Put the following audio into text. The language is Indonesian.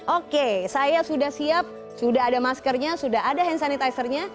oke saya sudah siap sudah ada maskernya sudah ada hand sanitizernya